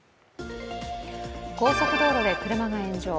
高速道路で車が炎上。